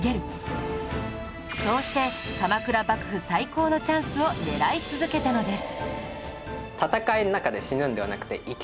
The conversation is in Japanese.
そうして鎌倉幕府再興のチャンスを狙い続けたのです